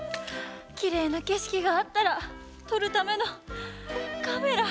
きれいなけしきがあったらとるためのカメラ。